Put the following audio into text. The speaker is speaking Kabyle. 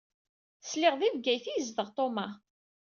Sliɣ di Bgayet i yezdeɣ Thomas.